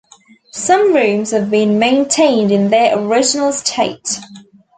Some rooms have been maintained in their original state.